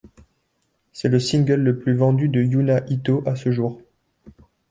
C'est le single le plus vendu de Yuna Itō à ce jour.